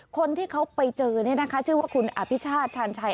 คนที่เขาไปเจอชื่อว่าคุณอพิชาชาญชัย